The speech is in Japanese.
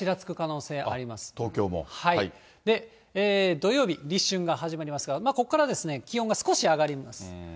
土曜日、立春が始まりますが、ここからですね、気温が少し上がります。